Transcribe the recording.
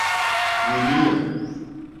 nenia